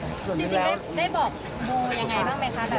จริงได้บอกโมอย่างไรบ้างไหมครับ